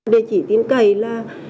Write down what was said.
địa chỉ tin cậy là